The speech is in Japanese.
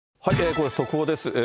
ここで速報です。